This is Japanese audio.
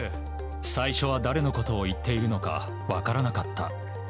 最初は誰のことを言っているのか分からなかった。